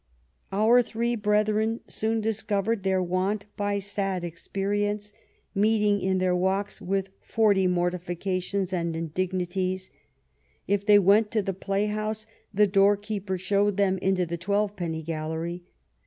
" Our three brethren soon discovered their want by sad experience, meeting in their walks with forty mortifications and 236 THE REIGN OP QUEEN ANNE indignities. If they went to the play house the door keeper showed them into the twelve penny gallery."